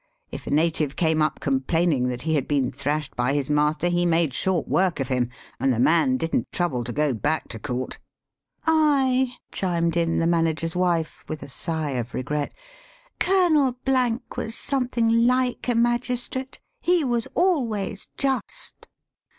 If a native came up complaining that he had been Digitized by VjOOQIC CHRISTMAS AT CAWNPORE. 265 thrashed by his master, he made short work of him, and the man didn't trouble to go back to court." "Aye," chimed in the manager's wife, with a sigh of regret, " Colonel was something Hke a magistrate. He was always just."